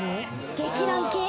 劇団系。